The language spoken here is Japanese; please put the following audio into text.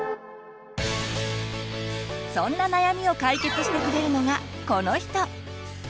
そんな悩みを解決してくれるのがこの人！